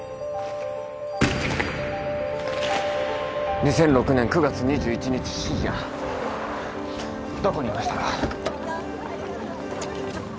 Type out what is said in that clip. ２００６年９月２１日深夜どこにいましたか？